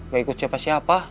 gak ikut siapa siapa